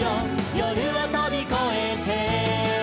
「夜をとびこえて」